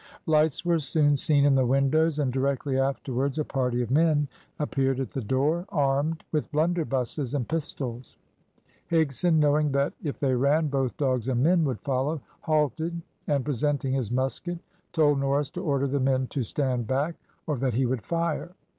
Lights were soon seen in the windows, and directly afterwards a party of men appeared at the door, armed with blunderbusses and pistols. Higson, knowing that if they ran, both dogs and men would follow, halted, and, presenting his musket, told Norris to order the men to stand back or that he would fire.